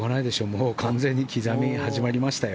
もう完全に刻み、始まりましたよ。